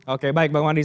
oke baik bang wandi